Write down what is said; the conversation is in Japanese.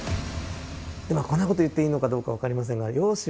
こんなこと言っていいのかどうかわかりませんが。